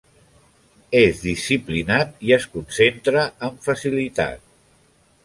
És disciplinat i es concentra amb facilitat.